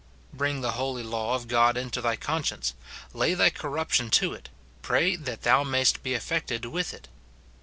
Bring the holy law of God into thy conscience, lay thy corruption to it, pray that thou mayst be affected with it.